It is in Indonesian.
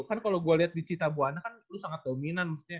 kan kalau gue liat di cita buwana kan lu sangat dominan